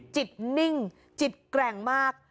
จิตนิ่งจิตแกร่งมาก